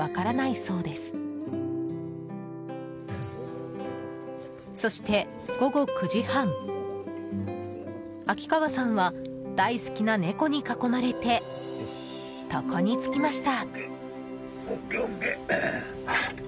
そして、午後９時半秋川さんは大好きな猫に囲まれて床につきました。